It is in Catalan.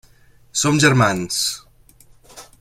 Som germans.